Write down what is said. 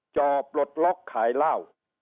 จอปลดล็อกขายเหล้า